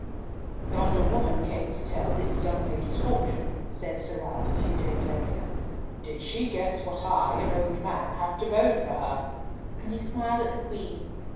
"Yonder woman came to tell this young lady's fortune," said Sir Ralf, a few days later. "Did she guess what I, an old man, have to bode for her!" and he smiled at the Queen.